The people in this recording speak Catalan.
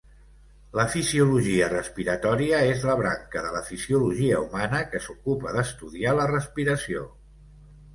La fisiologia respiratòria és la branca de la fisiologia humana que s'ocupa d'estudiar la respiració.